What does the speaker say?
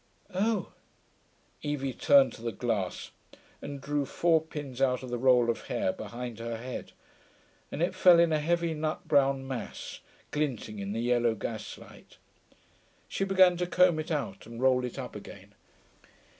'Oh....' Evie turned to the glass, and drew four pins out of the roll of hair behind her head, and it fell in a heavy nut brown mass, glinting in the yellow gaslight. She began to comb it out and roll it up again.